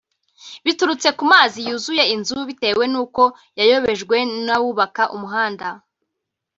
biturutse ku mazi yuzuye inzu bitewe n’uko yayobejwe n’abubaka umuhanda